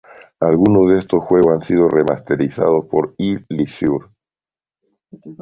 Algunos de estos juegos han sido remasterizados por l Leisure.